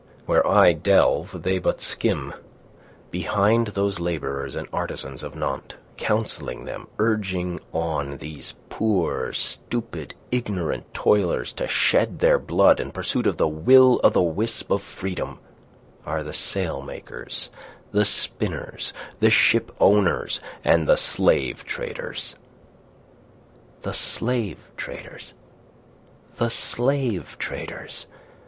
Where I delve they but skim. Behind those labourers and artisans of Nantes, counselling them, urging on these poor, stupid, ignorant toilers to shed their blood in pursuit of the will o' the wisp of freedom, are the sail makers, the spinners, the ship owners and the slave traders. The slave traders!